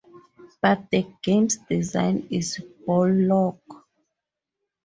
But the game's design is bollocks.